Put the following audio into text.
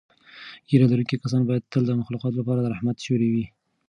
ږیره لرونکي کسان باید تل د مخلوقاتو لپاره د رحمت سیوری وي.